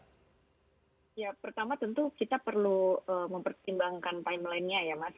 ya pertama tentu kita perlu mempertimbangkan timeline nya ya mas